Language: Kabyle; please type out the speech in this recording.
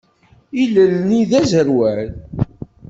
Ilel-nni d aẓerwal.